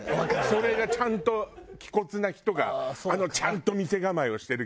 それがちゃんと気骨な人がちゃんと店構えをしてる気がする。